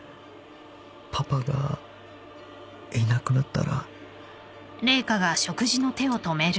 パパがいなくなったら。